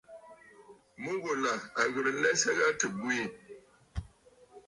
Mu ghùlà à ghɨ̀rə nlɛsə gha tɨ bwiì.